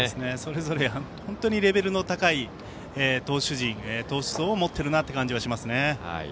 それぞれ、本当にレベルの高い投手陣投手層を持っているなという感じがしますね。